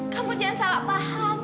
kamu jangan salah paham